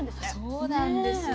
そうなんですよ。